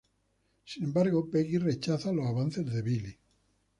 Sin embargo, Peggy rechaza los avances de Billy.